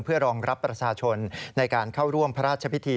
เพื่อรองรับประชาชนในการเข้าร่วมพระราชพิธี